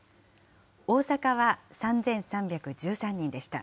大阪は３３１３人でした。